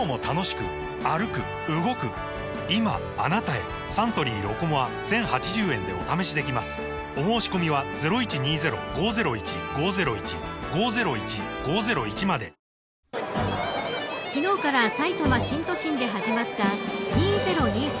今あなたへサントリー「ロコモア」１，０８０円でお試しできますお申込みは昨日からさいたま新都心で始まった２０２３